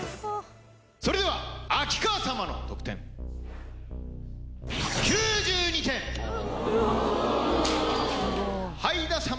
それでは秋川様の得点はいだ様